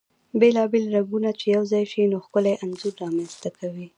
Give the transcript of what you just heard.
بيلا بيل رنګونه چی يو ځاي شي ، نو ښکلی انځور رامنځته کوي .